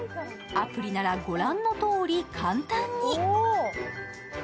アプリなら、御覧のとおり簡単に。